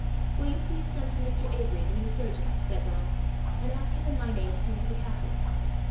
"Will you please send to Mr. Avory, the new surgeon," said Donal, "and ask him, in my name, to come to the castle."